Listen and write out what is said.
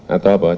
atau apa capek